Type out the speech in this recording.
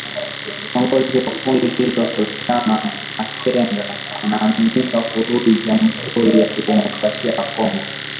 Kiongozi wa kundi hilo Sultani Makenga anaaminika kurudi Jamhuri ya kidemokrasia ya Kongo.